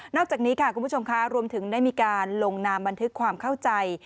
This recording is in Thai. อกจากนี้ค่ะคุณผู้ชมค่ะรวมถึงได้มีการลงนามบันทึกความเข้าใจ